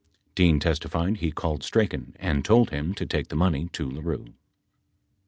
Dean testified he called Strachan and told him to take the money to LaRue.